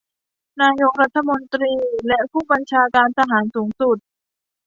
นายกรัฐมนตรีและผู้บัญชาการทหารสูงสุด